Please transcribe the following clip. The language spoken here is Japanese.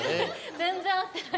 全然合ってない。